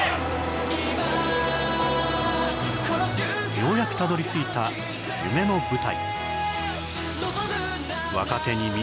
ようやくたどり着いた夢の舞台。